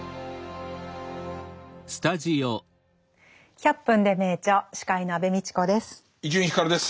「１００分ｄｅ名著」司会の安部みちこです。